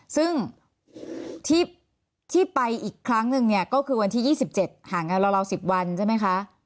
ซึ่งที่ไปอีกครั้งนึงเนี่ยก็คือวันที่ยี่สิบเจ็ดหางานราวสิบวันใช่ไหมคะ